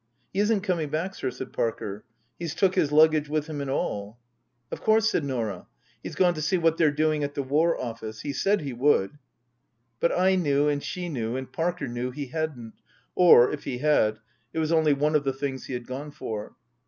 " He isn't coming back, sir," said Parker. " He's took his luggage with him and all." " Of course," said Norah. " He's gone to see what they're doing at the War Office. He said he would." But I knew and she knew and Parker knew he hadn't or, if he had, it was only one of the things he had gone for.